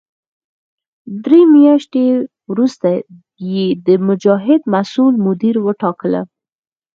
درې میاشتې وروسته یې د مجاهد مسوول مدیر وټاکلم.